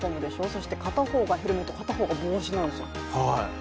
そして片方がヘルメット片方が帽子なんですよ。